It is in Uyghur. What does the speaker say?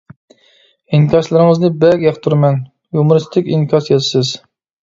ئىنكاسلىرىڭىزنى بەك ياقتۇرىمەن، يۇمۇرىستىك ئىنكاس يازىسىز.